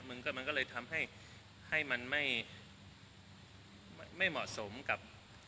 มันก็เลยทำให้ให้มันไม่เหมาะสมกับ